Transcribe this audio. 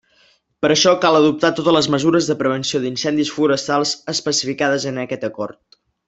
Per això, cal adoptar totes les mesures de prevenció d'incendis forestals especificades en aquest Acord.